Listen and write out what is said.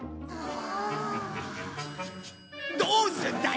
どうすんだよ！